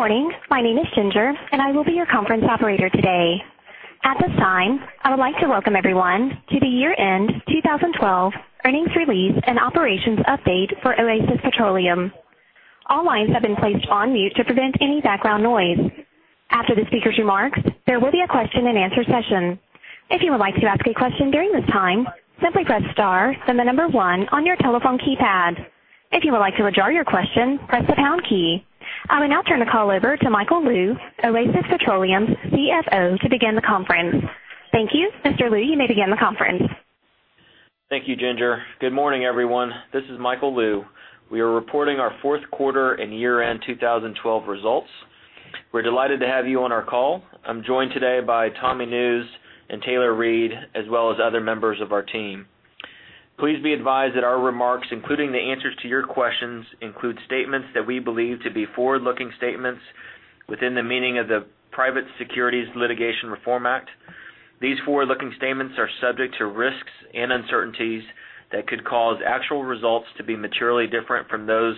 Good morning. My name is Ginger, and I will be your conference operator today. At this time, I would like to welcome everyone to the year-end 2012 earnings release and operations update for Oasis Petroleum. All lines have been placed on mute to prevent any background noise. After the speaker's remarks, there will be a question and answer session. If you would like to ask a question during this time, simply press star, then number 1 on your telephone keypad. If you would like to withdraw your question, press the pound key. I will now turn the call over to Michael Lou, Oasis Petroleum's CFO, to begin the conference. Thank you. Mr. Lou, you may begin the conference. Thank you, Ginger. Good morning, everyone. This is Michael Lou. We are reporting our fourth quarter and year-end 2012 results. We're delighted to have you on our call. I'm joined today by Tommy Nusz and Taylor Reid, as well as other members of our team. Please be advised that our remarks, including the answers to your questions, include statements that we believe to be forward-looking statements within the meaning of the Private Securities Litigation Reform Act. These forward-looking statements are subject to risks and uncertainties that could cause actual results to be materially different from those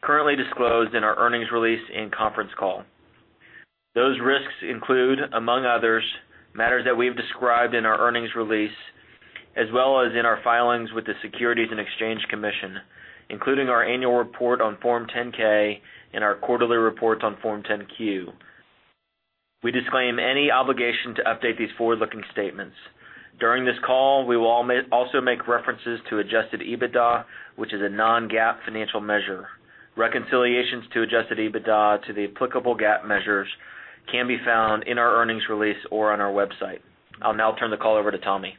currently disclosed in our earnings release and conference call. Those risks include, among others, matters that we have described in our earnings release, as well as in our filings with the Securities and Exchange Commission, including our annual report on Form 10-K and our quarterly reports on Form 10-Q. We disclaim any obligation to update these forward-looking statements. During this call, we will also make references to adjusted EBITDA, which is a non-GAAP financial measure. Reconciliations to adjusted EBITDA to the applicable GAAP measures can be found in our earnings release or on our website. I'll now turn the call over to Tommy.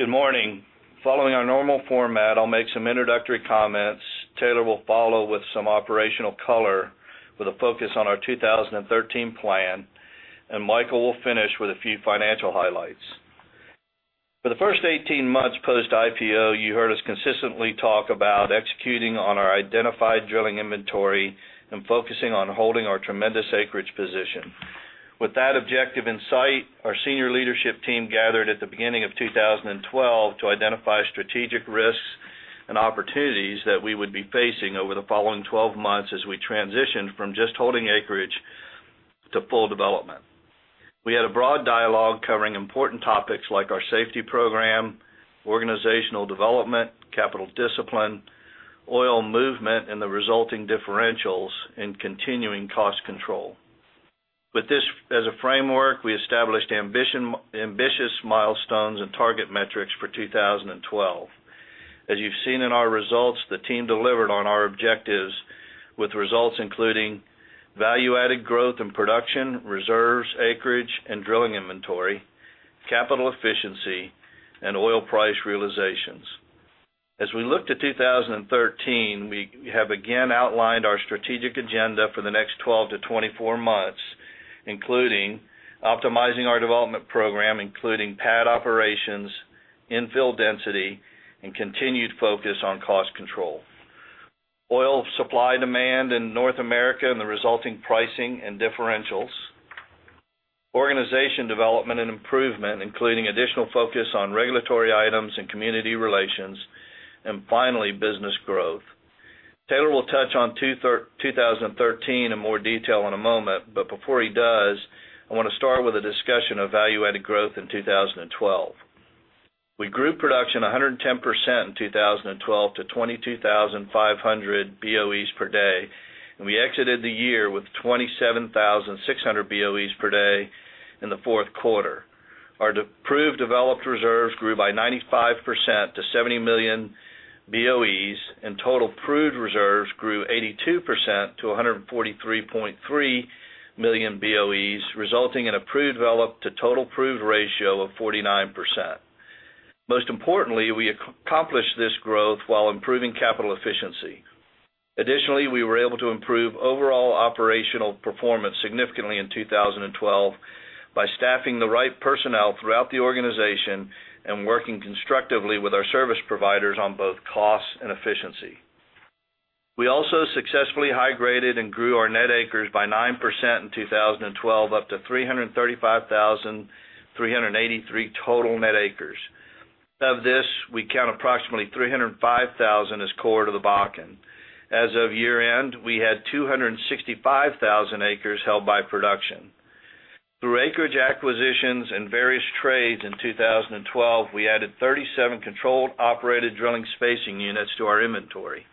Good morning. Following our normal format, I'll make some introductory comments. Taylor will follow with some operational color with a focus on our 2013 plan. Michael will finish with a few financial highlights. For the first 18 months post-IPO, you heard us consistently talk about executing on our identified drilling inventory and focusing on holding our tremendous acreage position. With that objective in sight, our senior leadership team gathered at the beginning of 2012 to identify strategic risks and opportunities that we would be facing over the following 12 months as we transitioned from just holding acreage to full development. We had a broad dialogue covering important topics like our safety program, organizational development, capital discipline, oil movement, and the resulting differentials in continuing cost control. With this as a framework, we established ambitious milestones and target metrics for 2012. As you've seen in our results, the team delivered on our objectives with results including value-added growth and production, reserves, acreage, and drilling inventory, capital efficiency, and oil price realizations. As we look to 2013, we have again outlined our strategic agenda for the next 12 to 24 months, including optimizing our development program, including pad operations, infill density, and continued focus on cost control. Oil supply demand in North America and the resulting pricing and differentials. Organization development and improvement, including additional focus on regulatory items and community relations. Finally, business growth. Taylor will touch on 2013 in more detail in a moment. Before he does, I want to start with a discussion of value-added growth in 2012. We grew production 110% in 2012 to 22,500 BOEs per day, and we exited the year with 27,600 BOEs per day in the fourth quarter. Our proved developed reserves grew by 95% to 70 million BOEs, and total proved reserves grew 82% to 143.3 million BOEs, resulting in a proved developed to total proved ratio of 49%. Most importantly, we accomplished this growth while improving capital efficiency. Additionally, we were able to improve overall operational performance significantly in 2012 by staffing the right personnel throughout the organization and working constructively with our service providers on both costs and efficiency. We also successfully high-graded and grew our net acres by 9% in 2012 up to 335,383 total net acres. Of this, we count approximately 305,000 as core to the Bakken. As of year-end, we had 265,000 acres held by production. Through acreage acquisitions and various trades in 2012, we added 37 controlled operated drilling spacing units to our inventory.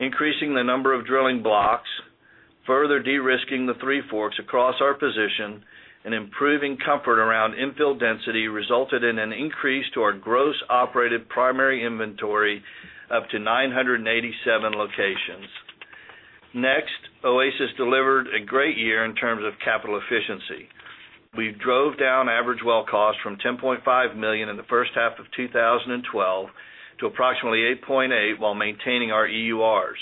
Increasing the number of drilling blocks, further de-risking the Three Forks across our position, and improving comfort around infill density resulted in an increase to our gross operated primary inventory up to 987 locations. Next, Oasis delivered a great year in terms of capital efficiency. We drove down average well cost from $10.5 million in the first half of 2012 to approximately $8.8 million while maintaining our EURs.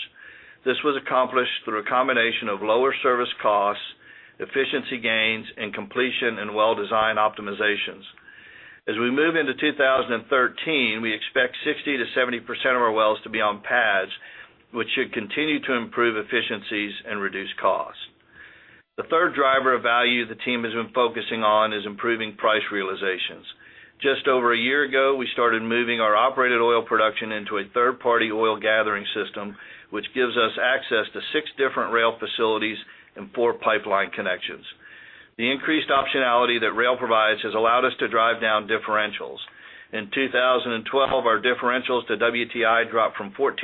This was accomplished through a combination of lower service costs, efficiency gains, and completion and well design optimizations. As we move into 2013, we expect 60%-70% of our wells to be on pads, which should continue to improve efficiencies and reduce costs. The third driver of value the team has been focusing on is improving price realizations. Just over a year ago, we started moving our operated oil production into a third-party oil gathering system, which gives us access to six different rail facilities and four pipeline connections. The increased optionality that rail provides has allowed us to drive down differentials. In 2012, our differentials to WTI dropped from 14%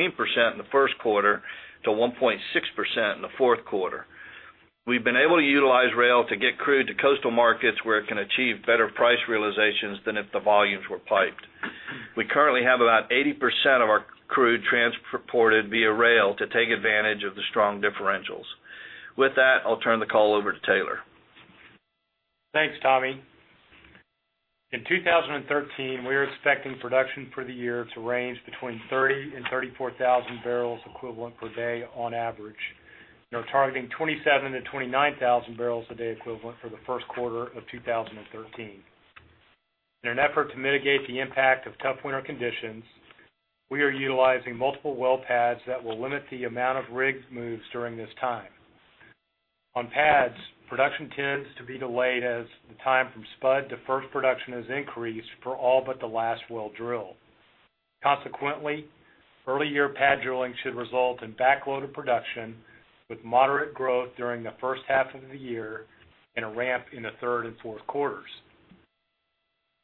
in the first quarter to 1.6% in the fourth quarter. We've been able to utilize rail to get crude to coastal markets, where it can achieve better price realizations than if the volumes were piped. We currently have about 80% of our crude transported via rail to take advantage of the strong differentials. With that, I'll turn the call over to Taylor. Thanks, Tommy. In 2013, we are expecting production for the year to range between 30,000 and 34,000 barrels equivalent per day on average. We are targeting 27,000 to 29,000 barrels a day equivalent for the first quarter of 2013. In an effort to mitigate the impact of tough winter conditions, we are utilizing multiple well pads that will limit the amount of rig moves during this time. On pads, production tends to be delayed as the time from spud to first production is increased for all but the last well drilled. Consequently, early year pad drilling should result in backloaded production, with moderate growth during the first half of the year and a ramp in the third and fourth quarters.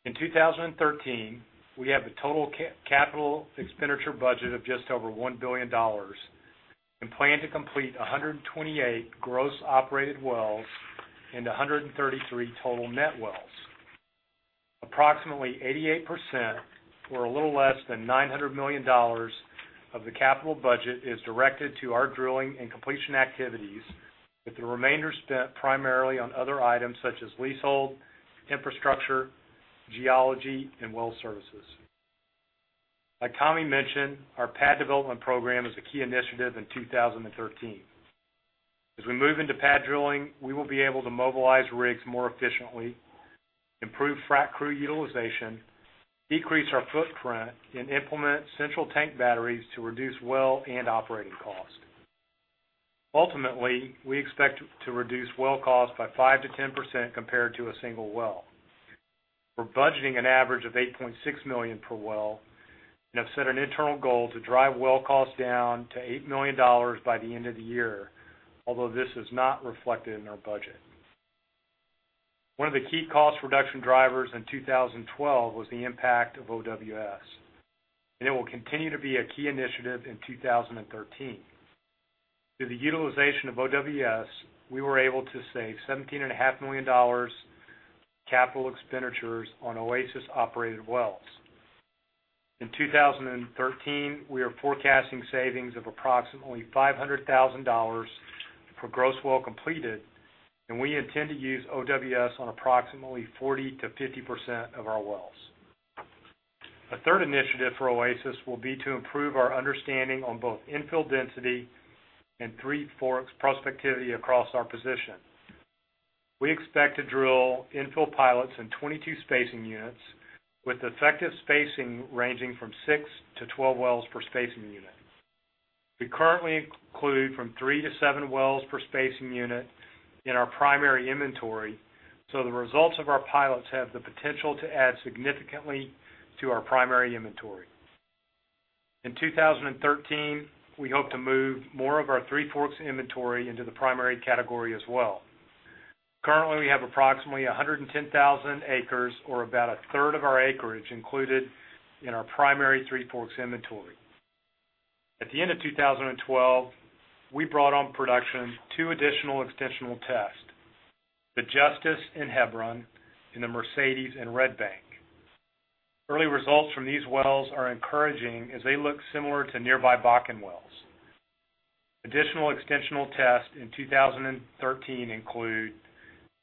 In 2013, we have a total capital expenditure budget of just over $1 billion and plan to complete 128 gross operated wells and 133 total net wells. Approximately 88%, or a little less than $900 million of the capital budget is directed to our drilling and completion activities, with the remainder spent primarily on other items such as leasehold, infrastructure, geology, and well services. Like Tommy mentioned, our pad development program is a key initiative in 2013. As we move into pad drilling, we will be able to mobilize rigs more efficiently, improve frac crew utilization, decrease our footprint, and implement central tank batteries to reduce well and operating costs. Ultimately, we expect to reduce well costs by 5%-10% compared to a single well. We're budgeting an average of $8.6 million per well and have set an internal goal to drive well costs down to $8 million by the end of the year, although this is not reflected in our budget. One of the key cost reduction drivers in 2012 was the impact of OWS. It will continue to be a key initiative in 2013. Through the utilization of OWS, we were able to save $17.5 million capital expenditures on Oasis-operated wells. In 2013, we are forecasting savings of approximately $500,000 for gross well completed. We intend to use OWS on approximately 40%-50% of our wells. A third initiative for Oasis will be to improve our understanding on both infill density and Three Forks prospectivity across our position. We expect to drill infill pilots in 22 spacing units, with effective spacing ranging from 6 to 12 wells per spacing unit. We currently include from 3 to 7 wells per spacing unit in our primary inventory. The results of our pilots have the potential to add significantly to our primary inventory. In 2013, we hope to move more of our Three Forks inventory into the primary category as well. Currently, we have approximately 110,000 acres, or about a third of our acreage, included in our primary Three Forks inventory. At the end of 2012, we brought on production 2 additional extensional tests: the Justice and Hebron in the Mercedes and Red Bank. Early results from these wells are encouraging as they look similar to nearby Bakken wells. Additional extensional tests in 2013 include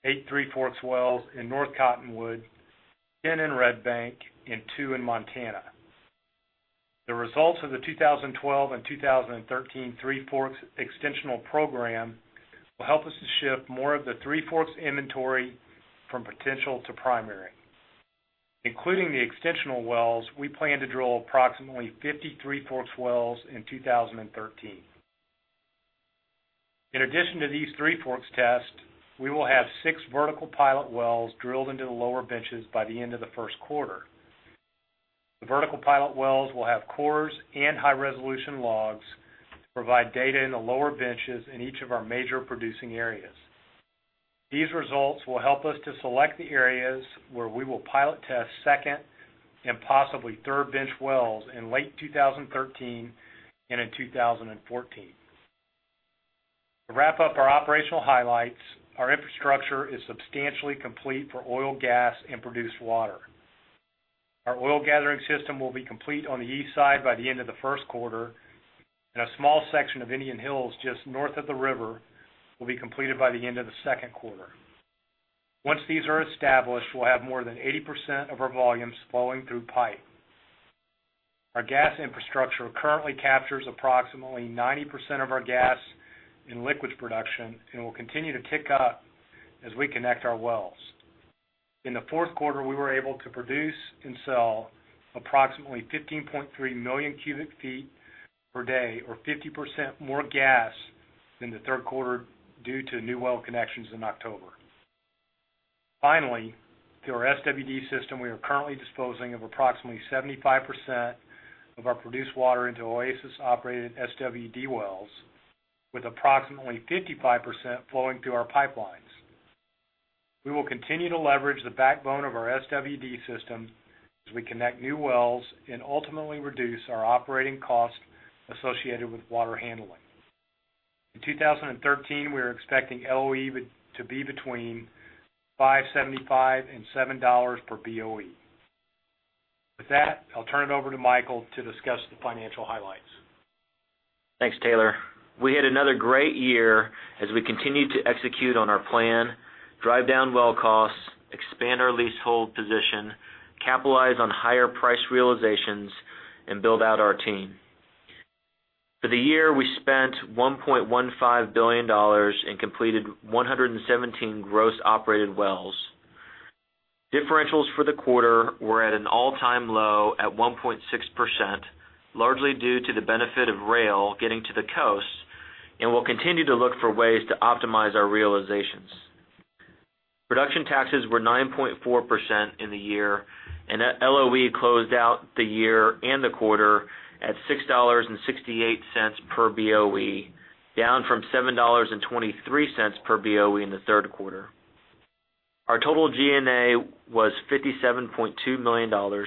8 Three Forks wells in North Cottonwood, 10 in Red Bank and 2 in Montana. The results of the 2012 and 2013 Three Forks extensional program will help us to shift more of the Three Forks inventory from potential to primary. Including the extensional wells, we plan to drill approximately 50 Three Forks wells in 2013. In addition to these Three Forks tests, we will have 6 vertical pilot wells drilled into the lower benches by the end of the first quarter. The vertical pilot wells will have cores and high-resolution logs to provide data in the lower benches in each of our major producing areas. These results will help us to select the areas where we will pilot test second and possibly third bench wells in late 2013 and in 2014. To wrap up our operational highlights, our infrastructure is substantially complete for oil, gas, and produced water. Our oil gathering system will be complete on the east side by the end of the first quarter, and a small section of Indian Hills, just north of the river, will be completed by the end of the second quarter. Once these are established, we'll have more than 80% of our volumes flowing through pipe. Our gas infrastructure currently captures approximately 90% of our gas and liquids production and will continue to tick up as we connect our wells. In the fourth quarter, we were able to produce and sell approximately 15.3 million cubic feet per day or 50% more gas than the third quarter due to new well connections in October. Finally, through our SWD system, we are currently disposing of approximately 75% of our produced water into Oasis-operated SWD wells, with approximately 55% flowing through our pipelines. We will continue to leverage the backbone of our SWD system as we connect new wells and ultimately reduce our operating costs associated with water handling. In 2013, we are expecting LOE to be between $5.75-$7 per Boe. With that, I'll turn it over to Michael to discuss the financial highlights. Thanks, Taylor. We had another great year as we continued to execute on our plan, drive down well costs, expand our leasehold position, capitalize on higher price realizations, and build out our team. For the year, we spent $1.15 billion and completed 117 gross operated wells. Differentials for the quarter were at an all-time low at 1.6%, largely due to the benefit of rail getting to the coast, and we'll continue to look for ways to optimize our realizations. Production taxes were 9.4% in the year, and LOE closed out the year and the quarter at $6.68 per Boe, down from $7.23 per Boe in the third quarter. Our total G&A was $57.2 million,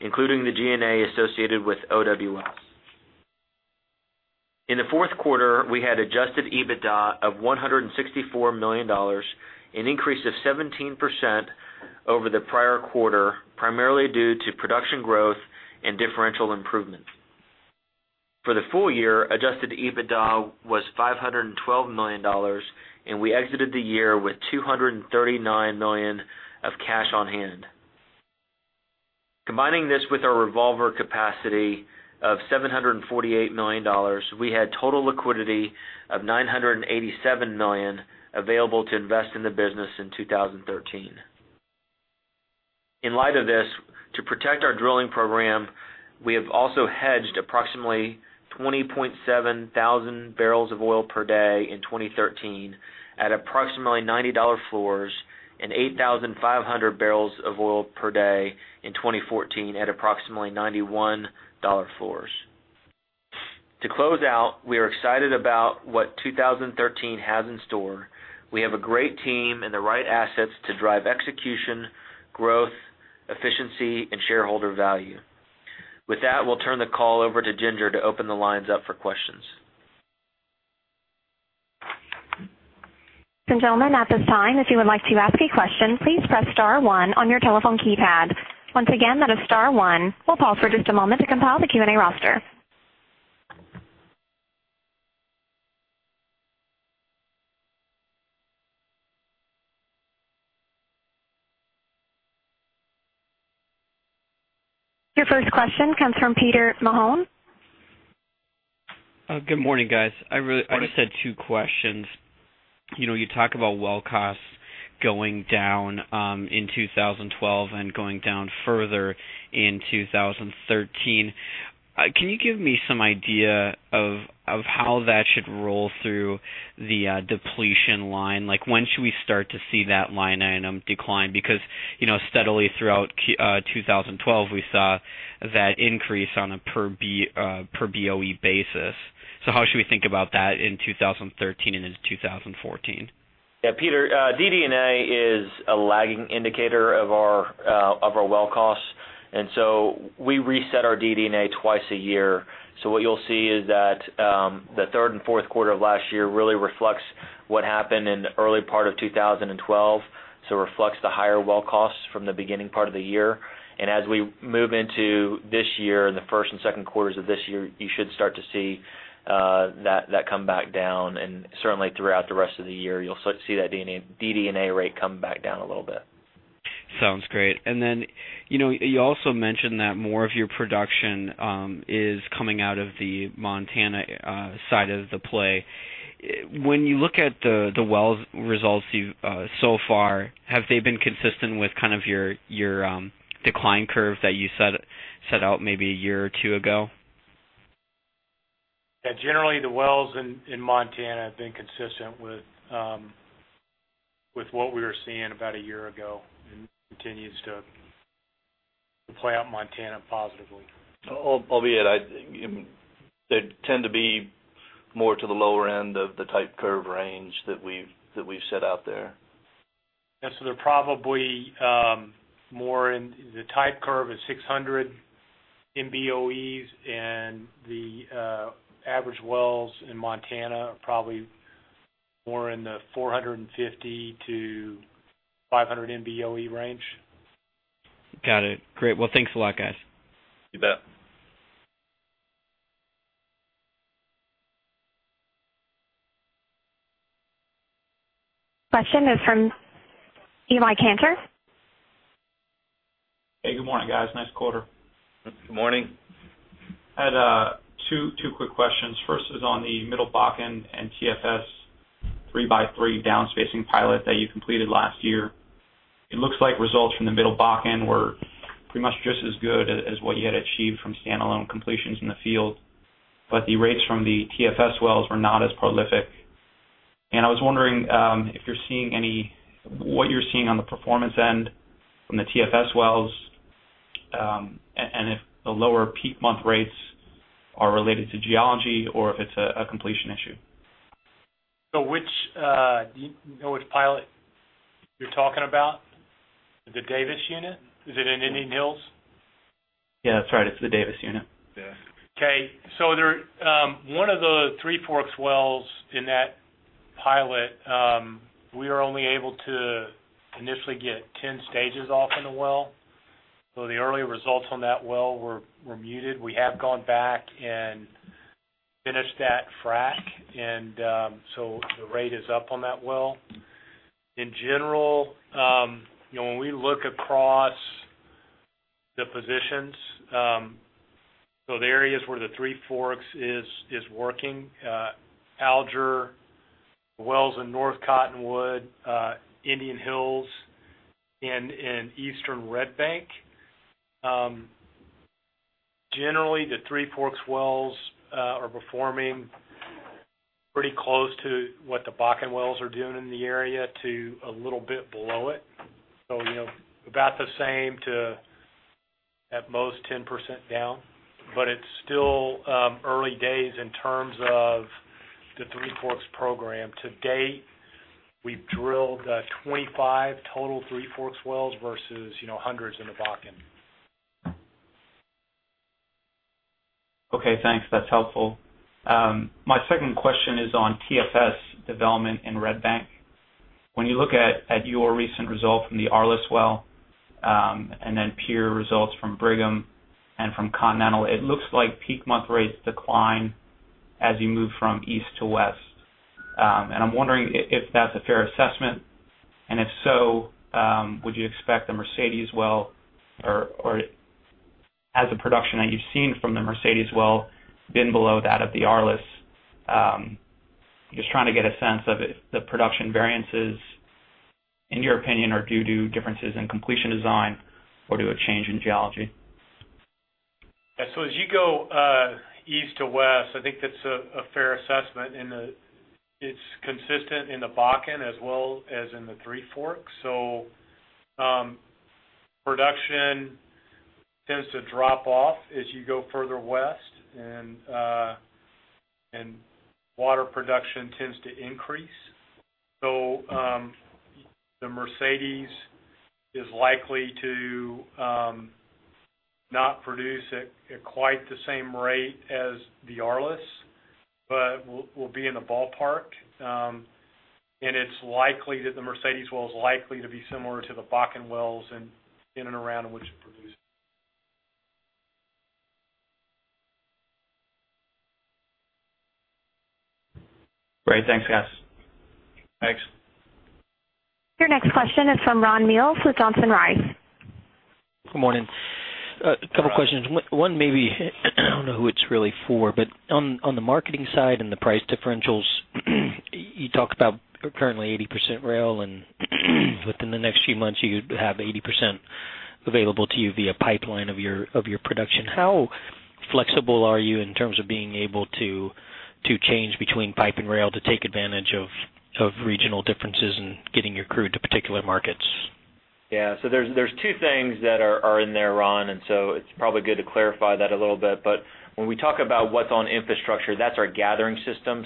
including the G&A associated with OWS. In the fourth quarter, we had adjusted EBITDA of $164 million, an increase of 17% over the prior quarter, primarily due to production growth and differential improvement. For the full year, adjusted EBITDA was $512 million, and we exited the year with $239 million of cash on hand. Combining this with our revolver capacity of $748 million, we had total liquidity of $987 million available to invest in the business in 2013. In light of this, to protect our drilling program, we have also hedged approximately 20.7 thousand barrels of oil per day in 2013 at approximately $90 floors and 8,500 barrels of oil per day in 2014 at approximately $91 floors. To close out, we are excited about what 2013 has in store. We have a great team and the right assets to drive execution, growth, efficiency, and shareholder value. With that, we'll turn the call over to Ginger to open the lines up for questions. Ladies and gentlemen, at this time, if you would like to ask a question, please press star one on your telephone keypad. Once again, that is star one. We'll pause for just a moment to compile the Q&A roster. Your first question comes from Peter Mahon. Good morning, guys. Morning. I just had two questions. You talk about well costs going down in 2012 and going down further in 2013. Can you give me some idea of how that should roll through the depletion line? When should we start to see that line item decline? Steadily throughout 2012, we saw that increase on a per BOE basis. How should we think about that in 2013 and into 2014? Yeah, Peter, DD&A is a lagging indicator of our well costs, and so we reset our DD&A twice a year. What you'll see is that the third and fourth quarter of last year really reflects what happened in the early part of 2012, so reflects the higher well costs from the beginning part of the year. As we move into this year, the first and second quarters of this year, you should start to see that come back down, and certainly throughout the rest of the year, you'll see that DD&A rate come back down a little bit. Sounds great. You also mentioned that more of your production is coming out of the Montana side of the play. When you look at the wells results so far, have they been consistent with your decline curve that you set out maybe a year or two ago? Yeah. Generally, the wells in Montana have been consistent with what we were seeing about a year ago and continues to play out in Montana positively. Albeit, they tend to be more to the lower end of the type curve range that we've set out there. They're probably more in the type curve is 600 Mboe, and the average wells in Montana are probably more in the 450 to 500 Mboe range. Got it. Great. Well, thanks a lot, guys. You bet. Question is from Eli Kantor. Hey, good morning, guys. Nice quarter. Good morning. I had two quick questions. First is on the Middle Bakken and TFS three-by-three down-spacing pilot that you completed last year. It looks like results from the Middle Bakken were pretty much just as good as what you had achieved from standalone completions in the field, but the rates from the TFS wells were not as prolific. I was wondering what you're seeing on the performance end from the TFS wells, and if the lower peak month rates are related to geology or if it's a completion issue. Which pilot you're talking about? The Davis unit? Is it in Indian Hills? Yeah, that's right. It's the Davis unit. Okay. One of the Three Forks wells in that pilot, we were only able to initially get 10 stages off in the well. The early results on that well were muted. We have gone back and finished that frack, and the rate is up on that well. In general, when we look across the positions, the areas where the Three Forks is working, Alger, wells in North Cottonwood, Indian Hills, and in eastern Red Bank. Generally, the Three Forks wells are performing pretty close to what the Bakken wells are doing in the area to a little bit below it. About the same to, at most, 10% down. It is still early days in terms of the Three Forks program. To date, we have drilled 25 total Three Forks wells versus hundreds in the Bakken. Okay, thanks. That is helpful. My second question is on TFS development in Red Bank. When you look at your recent result from the Arliss well, and then peer results from Brigham and from Continental, it looks like peak month rates decline as you move from east to west. I am wondering if that is a fair assessment, and if so, would you expect the Mercedes well or has the production that you have seen from the Mercedes well been below that of the Arliss? Just trying to get a sense of if the production variances, in your opinion, are due to differences in completion design or due to change in geology. As you go east to west, I think that is a fair assessment in that it is consistent in the Bakken as well as in the Three Forks. Production tends to drop off as you go further west, and water production tends to increase. The Mercedes is likely to not produce at quite the same rate as the Arliss, but will be in the ballpark. It is likely that the Mercedes well is likely to be similar to the Bakken wells in and around which it produces. Great. Thanks, guys. Thanks. Your next question is from Ron Mills with Johnson Rice. Good morning. A couple questions. One maybe, I don't know who it's really for, but on the marketing side and the price differentials, you talked about currently 80% rail and within the next few months, you have 80% available to you via pipeline of your production. How flexible are you in terms of being able to change between pipe and rail to take advantage of regional differences in getting your crude to particular markets? Yeah, so there's two things that are in there, Ron, and so it's probably good to clarify that a little bit. When we talk about what's on infrastructure, that's our gathering system.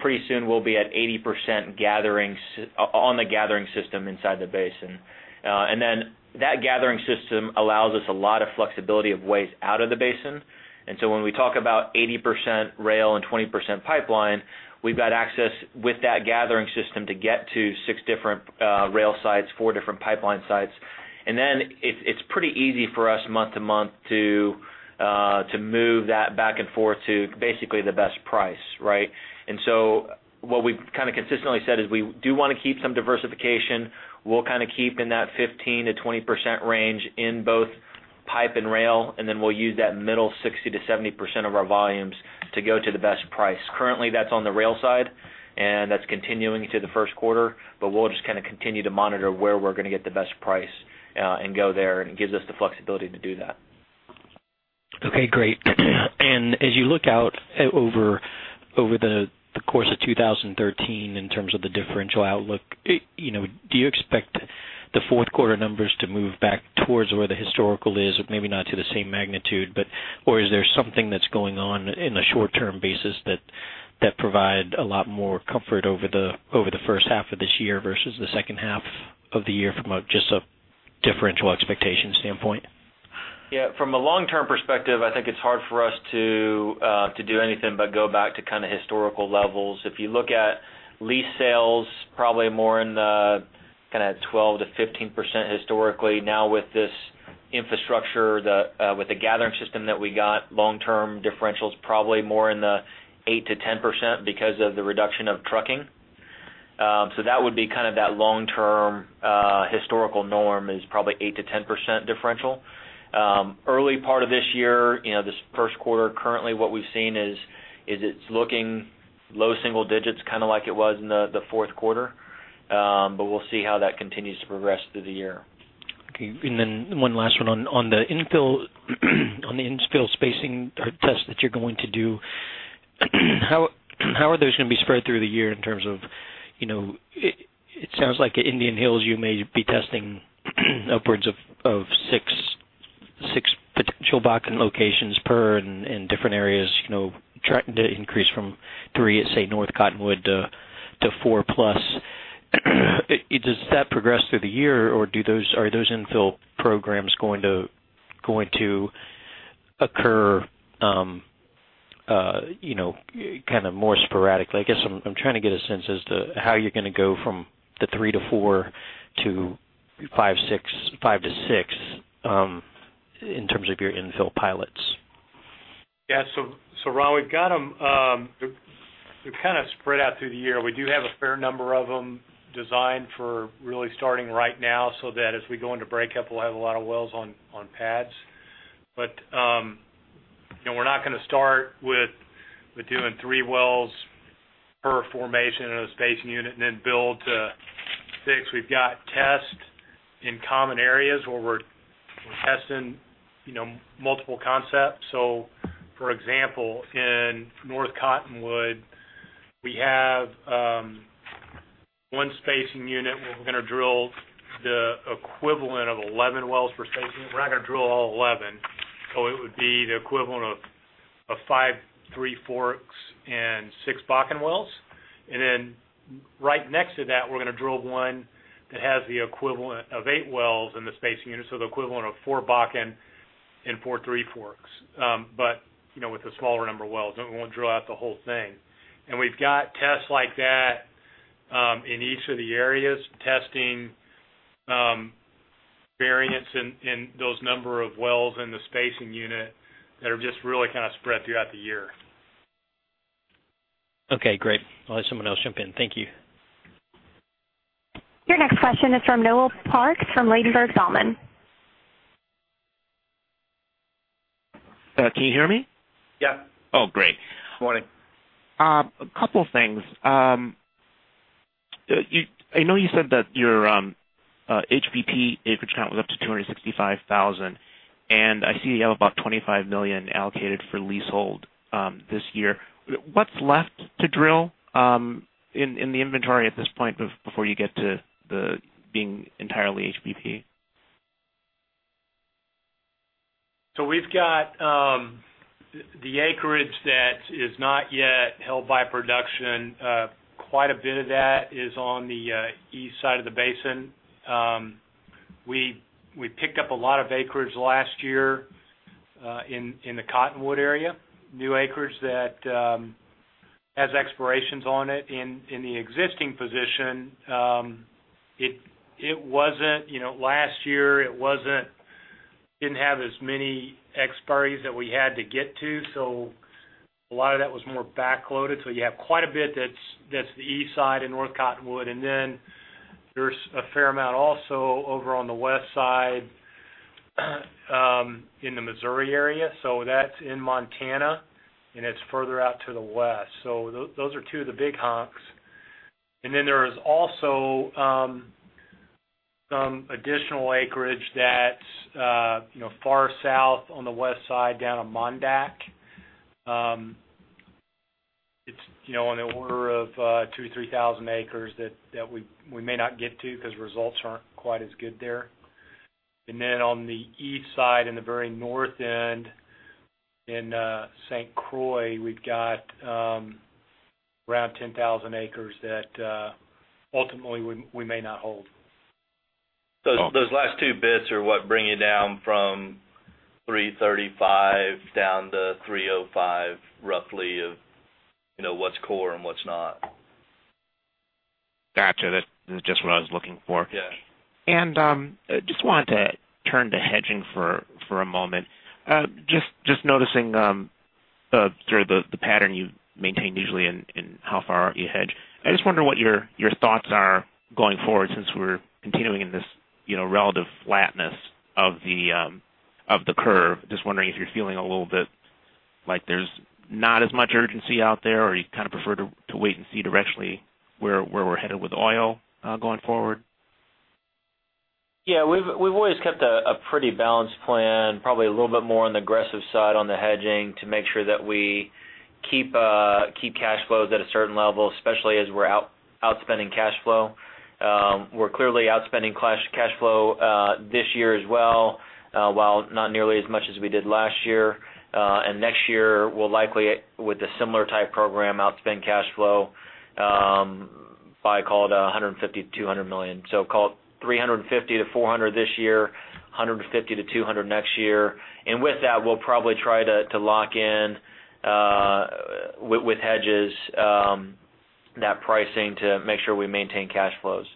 Pretty soon we'll be at 80% on the gathering system inside the basin. That gathering system allows us a lot of flexibility of ways out of the basin. When we talk about 80% rail and 20% pipeline, we've got access with that gathering system to get to six different rail sites, four different pipeline sites. Then it's pretty easy for us month to month to move that back and forth to basically the best price, right? What we've kind of consistently said is we do want to keep some diversification. We'll keep in that 15%-20% range in both pipe and rail, and then we'll use that middle 60%-70% of our volumes to go to the best price. Currently, that's on the rail side, and that's continuing into the first quarter, but we'll just continue to monitor where we're gonna get the best price, and go there, and it gives us the flexibility to do that. Okay, great. As you look out over the course of 2013, in terms of the differential outlook, do you expect the fourth quarter numbers to move back towards where the historical is? Maybe not to the same magnitude, or is there something that's going on in a short-term basis that provide a lot more comfort over the first half of this year versus the second half of the year from just a differential expectation standpoint? Yeah. From a long-term perspective, I think it's hard for us to do anything but go back to historical levels. If you look at lease sales, probably more in the 12%-15% historically. Now with this With the gathering system that we got, long-term differential's probably more in the 8%-10% because of the reduction of trucking. That would be that long-term historical norm is probably 8%-10% differential. Early part of this year, this first quarter, currently what we've seen is it's looking low single-digits, like it was in the fourth quarter. We'll see how that continues to progress through the year. Okay. One last one. On the infill spacing test that you're going to do, how are those going to be spread through the year in terms of, it sounds like at Indian Hills you may be testing upwards of six potential Bakken locations per in different areas, tracking to increase from three at, say, North Cottonwood to four plus. Does that progress through the year, or are those infill programs going to occur more sporadically? I guess I'm trying to get a sense as to how you're going to go from the three to four to five to six, in terms of your infill pilots. Yeah. Ron, we've got them, they're spread out through the year. We do have a fair number of them designed for really starting right now, so that as we go into breakup, we'll have a lot of wells on pads. We're not going to start with doing three wells per formation in a spacing unit and then build to six. We've got tests in common areas where we're testing multiple concepts. For example, in North Cottonwood, we have one spacing unit where we're going to drill the equivalent of 11 wells for spacing. We're not going to drill all 11. It would be the equivalent of five Three Forks and six Bakken wells. Right next to that, we're going to drill one that has the equivalent of eight wells in the spacing unit, so the equivalent of four Bakken and four Three Forks. With a smaller number of wells, we won't drill out the whole thing. We've got tests like that in each of the areas, testing variance in those number of wells in the spacing unit that are just really spread throughout the year. Okay, great. I'll let someone else jump in. Thank you. Your next question is from Noel Parks from Ladenburg Thalmann. Can you hear me? Yeah. Oh, great. Morning. A couple things. I know you said that your HBP acreage count was up to 265,000, and I see you have about $25 million allocated for leasehold this year. What's left to drill in the inventory at this point before you get to being entirely HBP? We've got the acreage that is not yet held by production. Quite a bit of that is on the east side of the basin. We picked up a lot of acreage last year in the Cottonwood area, new acreage that has expirations on it. In the existing position, last year, it didn't have as many expiries that we had to get to, a lot of that was more back-loaded. You have quite a bit that's the east side and North Cottonwood, and then there's a fair amount also over on the west side in the Missouri area. That's in Montana, and it's further out to the west. Those are two of the big hunks. There is also some additional acreage that's far south on the west side, down in Mandaree. It's on the order of 2,000, 3,000 acres that we may not get to because results aren't quite as good there. Then on the east side, in the very north end in St. Croix, we've got around 10,000 acres that ultimately we may not hold. Those last two bits are what bring you down from 335 down to 305, roughly, of what's core and what's not. Gotcha. That's just what I was looking for. Yeah. Just wanted to turn to hedging for a moment. Just noticing through the pattern you maintain usually and how far out you hedge. I just wonder what your thoughts are going forward since we're continuing in this relative flatness of the curve. Just wondering if you're feeling a little bit like there's not as much urgency out there, or you prefer to wait and see directionally where we're headed with oil going forward? Yeah. We've always kept a pretty balanced plan, probably a little bit more on the aggressive side on the hedging to make sure that we keep cash flows at a certain level, especially as we're outspending cash flow. We're clearly outspending cash flow this year as well. While not nearly as much as we did last year. Next year we'll likely, with a similar type program, outspend cash flow by, call it, $150 million-$200 million. Call it $350 million-$400 million this year, $150 million-$200 million next year. With that, we'll probably try to lock in with hedges That pricing to make sure we maintain cash flows.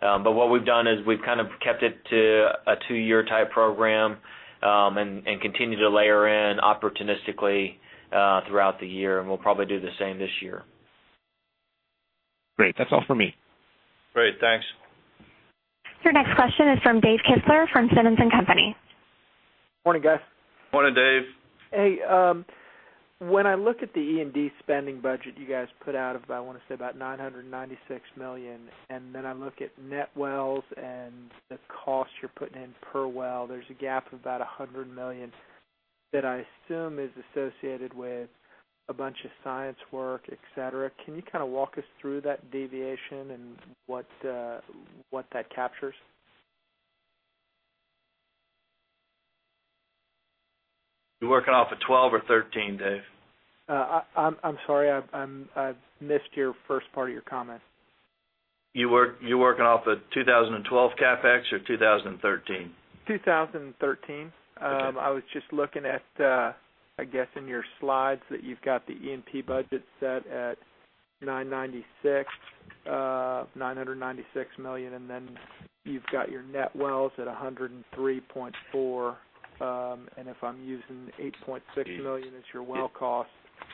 What we've done is we've kept it to a 2-year type program, and continue to layer in opportunistically throughout the year, and we'll probably do the same this year. Great. That's all for me. Great. Thanks. Your next question is from Dave Kistler from Simmons & Company. Morning, guys. Morning, Dave. Hey, when I look at the E&P spending budget you guys put out of, I want to say about $996 million, and then I look at net wells and the cost you're putting in per well, there's a gap of about $100 million that I assume is associated with a bunch of science work, et cetera. Can you walk us through that deviation and what that captures? You working off of 2012 or 2013, Dave? I'm sorry. I missed your first part of your comment. You working off of 2012 CapEx or 2013? 2013. Okay. I was just looking at, I guess in your slides that you've got the E&P budget set at $996 million, then you've got your net wells at 103.4. If I'm using $8.6 million as your well cost,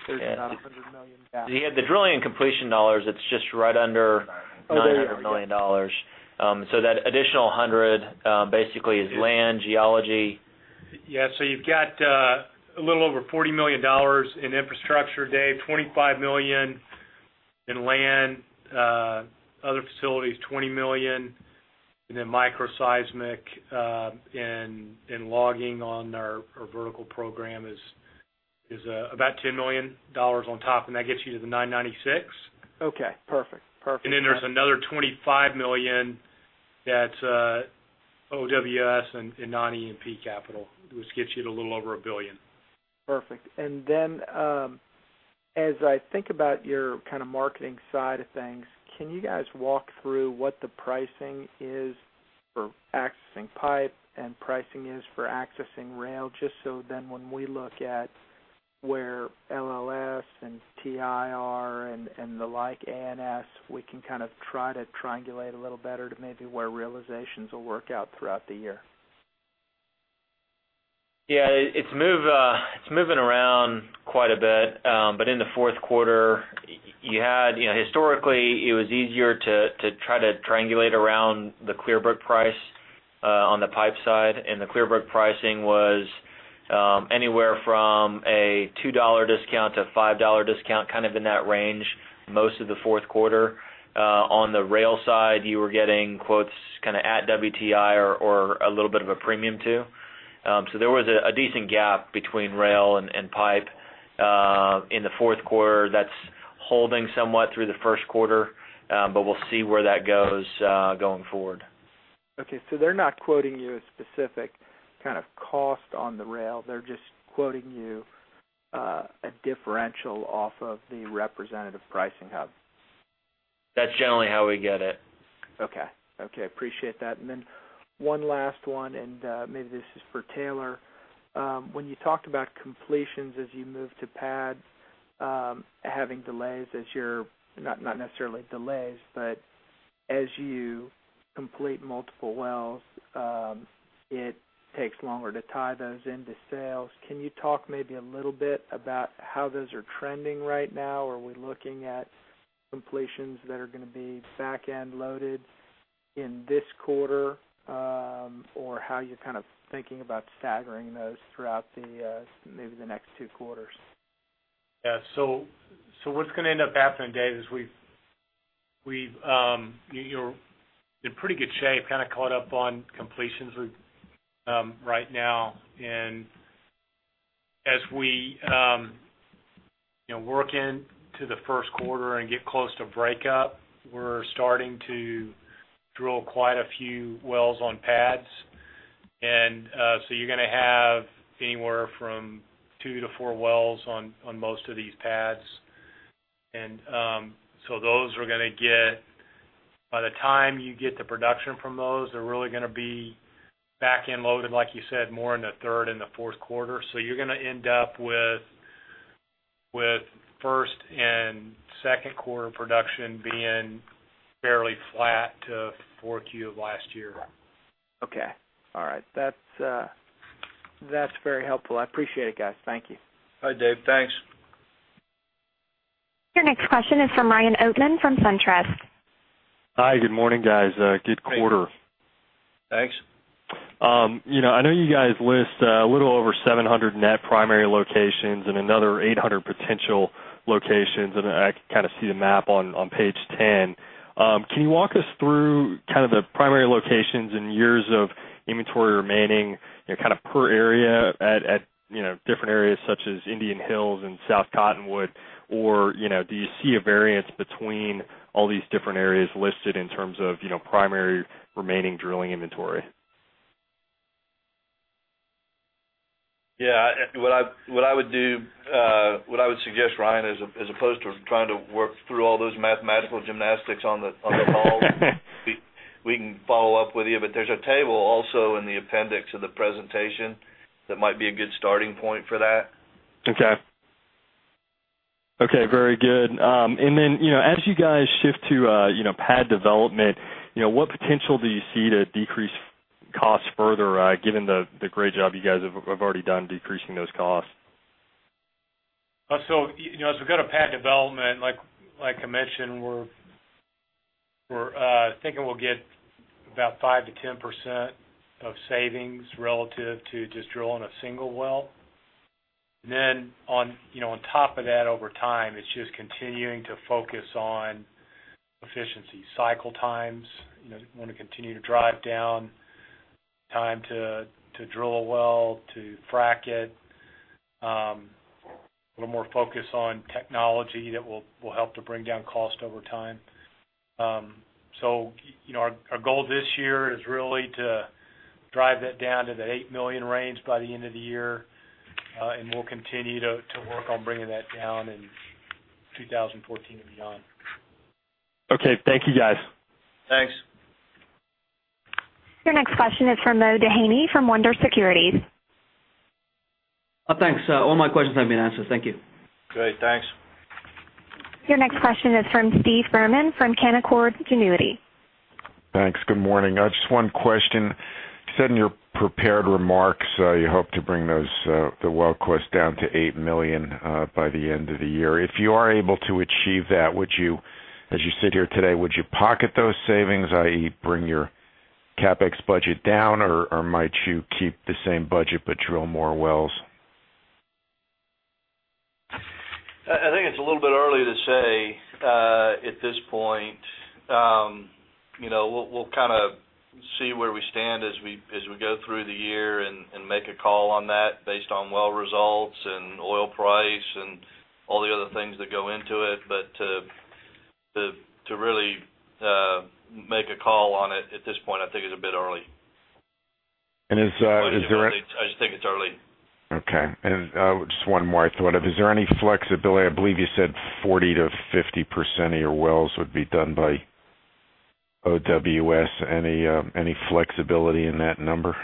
there's about $100 million gap. Yeah, the drilling and completion dollars, it's just right under- Oh, there we go $900 million. That additional $100 basically is land, geology. Yeah, you've got a little over $40 million in infrastructure, Dave, $25 million in land, other facilities $20 million, and then micro seismic, and logging on our vertical program is about $10 million on top, and that gets you to the 996. Okay, perfect. There's another $25 million that's OWS and non-E&P capital, which gets you to a little over $1 billion. Perfect. As I think about your marketing side of things, can you guys walk through what the pricing is for accessing pipe and pricing is for accessing rail, just so when we look at where LLS and TIRL and the like, ANS, we can try to triangulate a little better to maybe where realizations will work out throughout the year? Yeah, it's moving around quite a bit. In the fourth quarter, historically it was easier to try to triangulate around the Clearbrook price on the pipe side, and the Clearbrook pricing was anywhere from a $2 discount to a $5 discount, in that range most of the fourth quarter. On the rail side, you were getting quotes at WTI or a little bit of a premium, too. There was a decent gap between rail and pipe in the fourth quarter that's holding somewhat through the first quarter, but we'll see where that goes going forward. Okay, they're not quoting you a specific cost on the rail, they're just quoting you a differential off of the representative pricing hub. That's generally how we get it. Okay. Appreciate that. One last one, and maybe this is for Taylor. When you talked about completions as you move to pad having delays, not necessarily delays, but as you complete multiple wells, it takes longer to tie those into sales. Can you talk maybe a little bit about how those are trending right now? Are we looking at completions that are going to be back-end loaded in this quarter? Or how you're thinking about staggering those throughout maybe the next two quarters? Yeah. What's going to end up happening, Dave, is we're in pretty good shape, caught up on completions right now. As we work into the first quarter and get close to breakup, we're starting to drill quite a few wells on pads. You're going to have anywhere from two to four wells on most of these pads. Those are going to get, by the time you get the production from those, they're really going to be back-end loaded, like you said, more in the third and the fourth quarter. You're going to end up with first and second quarter production being fairly flat to 4Q of last year. Okay. All right. That's very helpful. I appreciate it, guys. Thank you. All right, Dave. Thanks. Your next question is from Ryan Oatman from SunTrust. Hi, good morning, guys. Good quarter. Thanks. I know you guys list a little over 700 net primary locations and another 800 potential locations, and I can see the map on page 10. Can you walk us through the primary locations and years of inventory remaining per area at different areas such as Indian Hills and South Cottonwood? Do you see a variance between all these different areas listed in terms of primary remaining drilling inventory? Yeah, what I would suggest, Ryan, as opposed to trying to work through all those mathematical gymnastics on the calls. We can follow up with you, but there's a table also in the appendix of the presentation that might be a good starting point for that. Okay. Okay, very good. As you guys shift to pad development, what potential do you see to decrease costs further, given the great job you guys have already done decreasing those costs? As we go to pad development, like I mentioned, we're thinking we'll get about 5%-10% of savings relative to just drilling a single well. On top of that, over time, it's just continuing to focus on efficiency cycle times. We want to continue to drive down time to drill a well, to frack it. A little more focus on technology that will help to bring down cost over time. Our goal this year is really to drive that down to that $8 million range by the end of the year. We'll continue to work on bringing that down in 2014 and beyond. Okay, thank you, guys. Thanks. Your next question is from Mo Doheny from Wunderlich Securities. Thanks. All my questions have been answered. Thank you. Great, thanks. Your next question is from Steve Furman from Canaccord Genuity. Thanks. Good morning. Just one question. You said in your prepared remarks, you hope to bring the well cost down to $8 million by the end of the year. If you are able to achieve that, as you sit here today, would you pocket those savings, i.e., bring your CapEx budget down, or might you keep the same budget but drill more wells? I think it's a little bit early to say at this point. We'll see where we stand as we go through the year and make a call on that based on well results and oil price and all the other things that go into it. To really make a call on it at this point, I think is a bit early. Is there any- I just think it's early. Okay. Just one more I thought of. Is there any flexibility? I believe you said 40%-50% of your wells would be done by OWS. Any flexibility in that number?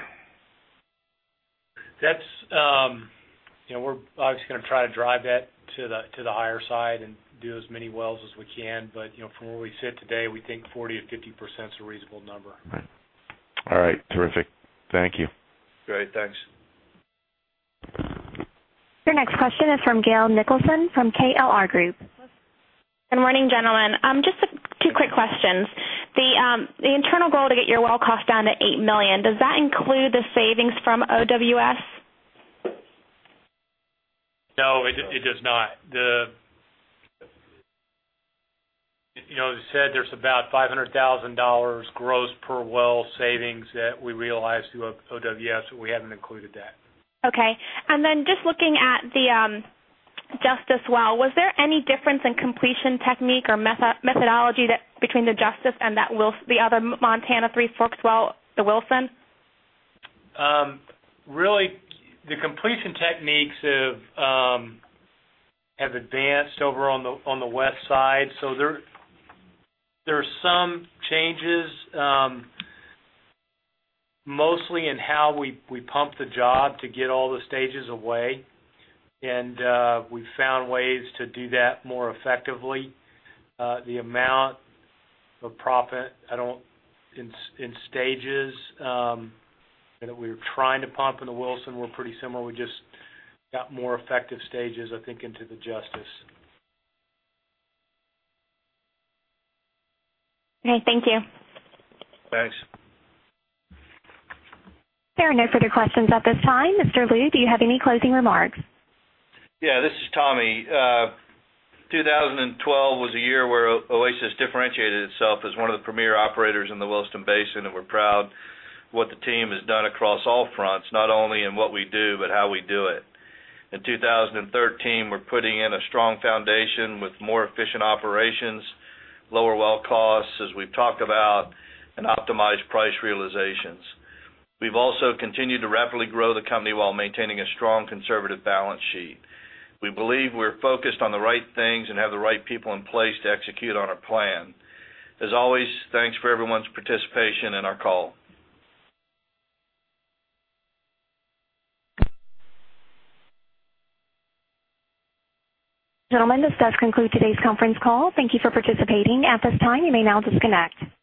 We're obviously going to try to drive that to the higher side and do as many wells as we can. From where we sit today, we think 40%-50% is a reasonable number. All right, terrific. Thank you. Great, thanks. Your next question is from Gail Nicholson from KLR Group. Good morning, gentlemen. Just two quick questions. The internal goal to get your well cost down to $8 million, does that include the savings from OWS? No, it does not. As I said, there's about $500,000 gross per well savings that we realize through OWS. We haven't included that. Okay. Just looking at the Justice well, was there any difference in completion technique or methodology between the Justice and the other Montana Three Forks well, the Wilson? Really, the completion techniques have advanced over on the west side. There are some changes. Mostly in how we pump the job to get all the stages away. We've found ways to do that more effectively. The amount of proppant in stages that we were trying to pump in the Wilson were pretty similar. We just got more effective stages, I think, into the Justice. Okay, thank you. Thanks. There are no further questions at this time. Mr. Lou, do you have any closing remarks? Yeah, this is Tommy. 2012 was a year where Oasis differentiated itself as one of the premier operators in the Williston Basin. We're proud of what the team has done across all fronts, not only in what we do, but how we do it. In 2013, we're putting in a strong foundation with more efficient operations, lower well costs, as we've talked about, and optimized price realizations. We've also continued to rapidly grow the company while maintaining a strong conservative balance sheet. We believe we're focused on the right things and have the right people in place to execute on our plan. As always, thanks for everyone's participation in our call. Gentlemen, this does conclude today's conference call. Thank you for participating. At this time, you may now disconnect.